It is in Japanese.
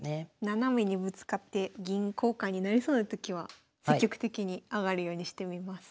斜めにぶつかって銀交換になりそうなときは積極的に上がるようにしてみます。